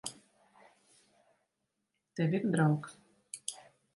Tev ir draugs.